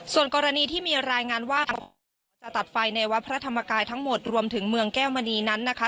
ส่วนกรณีที่มีรายงานว่าจะตัดไฟในวัดพระธรรมกายทั้งหมดรวมถึงเมืองแก้วมณีนั้นนะคะ